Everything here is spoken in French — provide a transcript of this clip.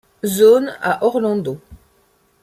Zone, à Orlando.